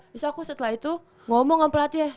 terus aku setelah itu ngomong sama pelatih